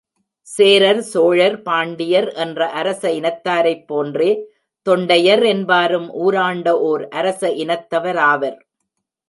சேரர், சோழர், பாண்டியர் என்ற அரச இனத்தாரைப் போன்றே, தொண்டையர் என்பாரும் ஊராண்ட ஒர் அரச இனத்தவராவர்.